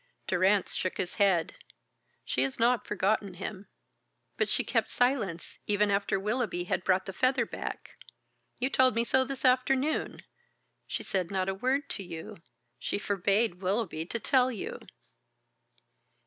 Durrance shook his head. "She has not forgotten him." "But she kept silence, even after Willoughby had brought the feather back. You told me so this afternoon. She said not a word to you. She forbade Willoughby to tell you."